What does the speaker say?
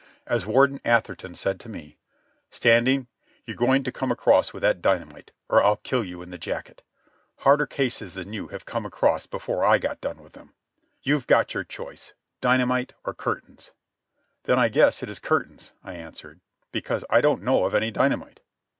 As Warden Atherton said to me: "Standing, you're going to come across with that dynamite, or I'll kill you in the jacket. Harder cases than you have come across before I got done with them. You've got your choice—dynamite or curtains." "Then I guess it is curtains," I answered, "because I don't know of any dynamite."